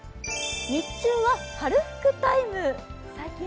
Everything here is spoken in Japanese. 日中は春服タイム。